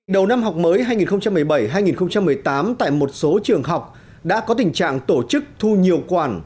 đầu năm học mới hai nghìn một mươi bảy hai nghìn một mươi tám tại một số trường học đã có tình trạng tổ chức thu nhiều khoản